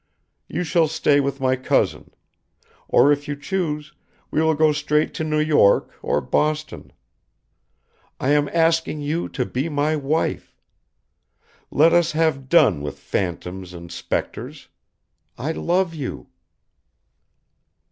You shall stay with my cousin. Or if you choose, we will go straight to New York or Boston. I am asking you to be my wife. Let us have done with phantoms and spectres. I love you."